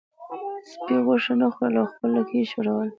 سپي غوښه نه خوړله او خپله لکۍ یې ښوروله.